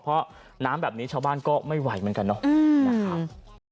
เพราะน้ำแบบนี้ชาวบ้านก็ไม่ไหวเหมือนกันเนาะนะครับ